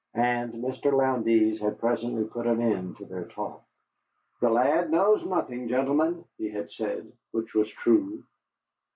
And Mr. Lowndes had presently put an end to their talk. "The lad knows nothing, gentlemen," he had said, which was true.